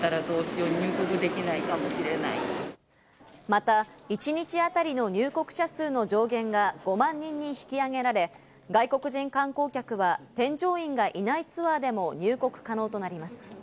また一日当たりの入国者数の上限が５万人に引き上げられ、外国人観光客は添乗員がいないツアーでも入国可能となります。